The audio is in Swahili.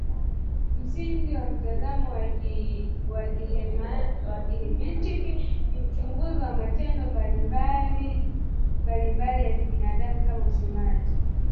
Msingi wa mtazamo wa Kihemenitiki ni uchunguzi wa matendo mbalimbali ya binadamu kama usemaji,